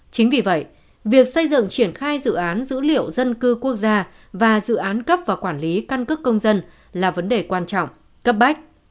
chính vì vậy việc xây dựng triển khai dự án dữ liệu dân cư quốc gia và dự án cấp và quản lý căn cước công dân là vấn đề quan trọng cấp bách